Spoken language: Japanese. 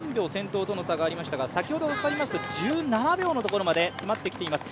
スタートしたときが２３秒、先頭との差がありましたが、先ほどはかりますと１７秒のところまで詰まってきています。